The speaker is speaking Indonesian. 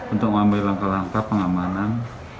untuk mengambil langkah langkah pengamanan